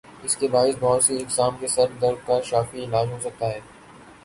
اسکے باعث بہت سی اقسام کے سر درد کا شافی علاج ہو سکتا ہے